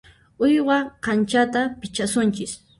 Uywa kanchata pichasunchis.